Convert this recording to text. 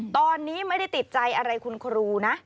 ตอนนี้ไม่ได้ติดใจอะไรคุณครูนะ